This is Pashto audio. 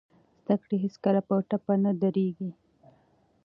زده کړه هېڅکله په ټپه نه دریږي.